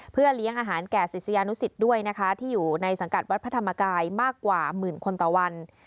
เพื่อเลี้ยงอาหารแก่ศิษยานุสิตด้วยนะคะที่อยู่ในสังกัดวัดพระธรรมกายมากกว่าหมื่นคนต่อวัน